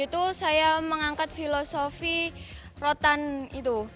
itu saya mengangkat filosofi rotan itu